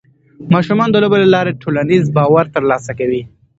ماشومان د لوبو له لارې ټولنیز باور ترلاسه کوي.